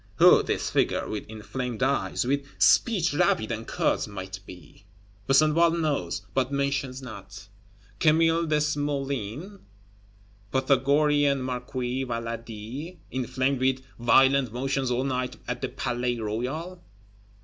Who this figure with inflamed eyes, with speech rapid and curt, might be? Besenval knows, but mentions not. Camille Desmoulins? Pythagorean Marquis Valadi, inflamed with "violent motions all night at the Palais Royal"?